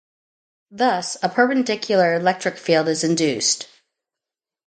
Thus, a perpendicular electric field is induced.